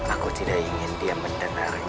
aku tidak ingin dia mendengarnya